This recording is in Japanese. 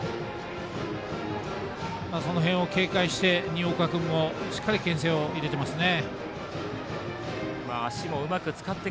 その辺を警戒して新岡君もしっかり、けん制を入れてますね。